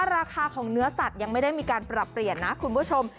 ราคาของเนื้อสัตว์ยังไม่ได้มีการปรับเปลี่ยนนะคุณผู้ชม